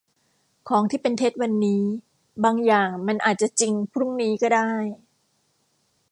ของที่เป็นเท็จวันนี้ บางอย่างมันอาจจะจริงพรุ่งนี้ก็ได้